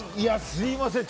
すみません